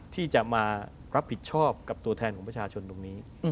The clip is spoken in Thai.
ที่จะมารับผิดชอบกับตัวแทนของประชาชนตรงนี้